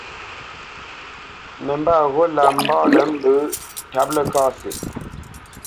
Nəmbat ghó lǎ mbánə́ mbə́ ntǎp Ləkasi.